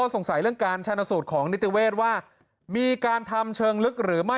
สงสัยเรื่องการชนสูตรของนิติเวศว่ามีการทำเชิงลึกหรือไม่